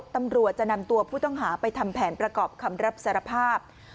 ตำรวจจะนำตัวผู้ต้องหาไปทำแผนประกอบคำรับสารภาพ